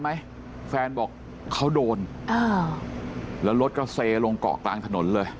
แฟนบอกเขาโดนอ่าแล้วรถก็เซลงเกาะกลางถนนเลย